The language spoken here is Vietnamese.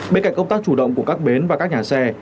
bên cạnh công tác chủ động của các bến và các nhà xe